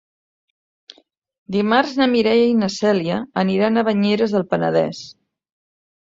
Dimarts na Mireia i na Cèlia aniran a Banyeres del Penedès.